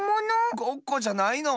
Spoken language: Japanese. ごっこじゃないの？